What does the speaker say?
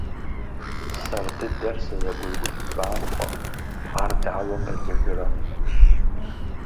Сэр дыдэр сызэгуеуд бампӏэм, ар дауэ къелыжрэ.